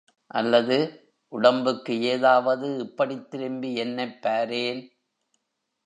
அல்லது...... உடம்புக்கு ஏதாவது இப்படித் திரும்பி என்னைப் பாரேன்!